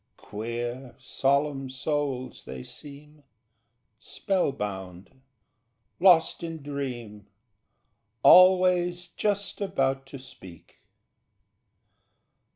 Queer, solemn souls they seem, Spell bound, lost in dream, Always just about to speak...